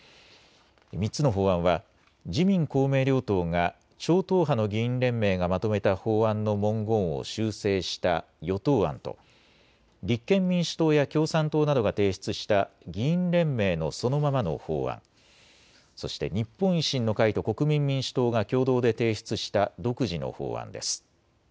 ３つの法案は自民公明両党が超党派の議員連盟がまとめた法案の文言を修正した与党案と立憲民主党や共産党などが提出した議員連盟のそのままの法案、そして日本維新の会と国民民主党が共同で提出した独自の法案です。